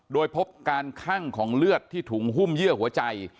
โดยพบการคั่งของเลือดที่ถุงหุ้มเยื่อหัวใจ